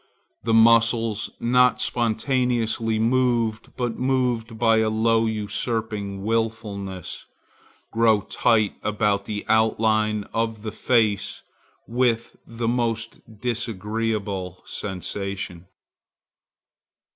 The muscles, not spontaneously moved but moved by a low usurping wilfulness, grow tight about the outline of the face with the most disagreeable sensation.